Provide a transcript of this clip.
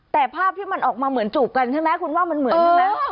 แต่ภาพที่มันออกมาเหมือนจูบกันใช่ไหมคุณว่ามันเหมือนกันไหม